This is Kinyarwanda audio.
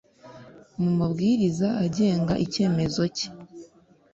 mu mabwiriza agenga icyemezo cye